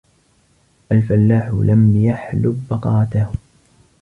الفَلَّاحُ لَمْ يَحْلُبْ بَقَرَتَهُ.